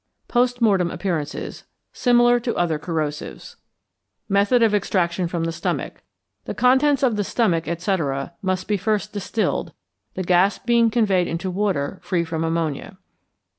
Post Mortem Appearances. Similar to other corrosives. Method of Extraction from the Stomach. The contents of the stomach, etc., must be first distilled, the gas being conveyed into water free from ammonia.